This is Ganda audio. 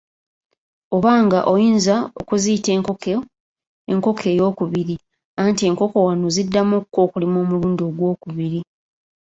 Obanga oyinza okuziyita "enkoko ey'okubiri".Anti enkoko wano ziddamu okukookolima omulundi ogw'okubiri.